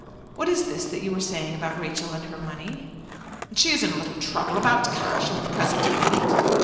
What is this that you were saying about Rachel and her money?" "She is in a little trouble about cash at the present moment."